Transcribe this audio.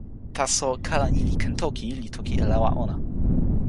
taso, kala ni li ken toki, li toki e lawa ona.